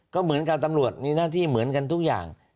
ก็เหมือนกันตำรวจมีหน้าที่เหมือนกันทุกอย่าง